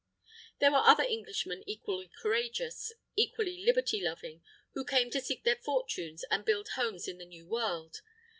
There were other Englishmen equally courageous, equally liberty loving, who came to seek their fortunes and build homes in the New World.